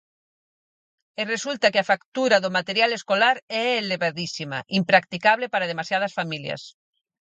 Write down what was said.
E resulta que a factura do material escolar é elevadísima, impracticable para demasiadas familias.